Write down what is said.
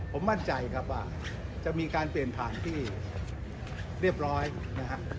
ผมมั่นใจครับว่าจะมีการเปลี่ยนผ่านที่เรียบร้อยนะฮะ